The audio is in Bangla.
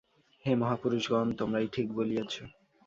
হে মহাপুরুষগণ, তোমরাই ঠিক বলিয়াছ।